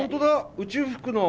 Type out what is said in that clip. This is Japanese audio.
宇宙服の。